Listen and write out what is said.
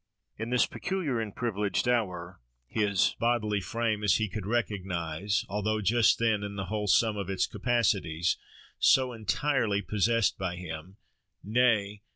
In this peculiar and privileged hour, his bodily frame, as he could recognise, although just then, in the whole sum of its capacities, so entirely possessed by him—Nay!